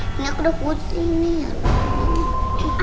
ini aku udah kucing nih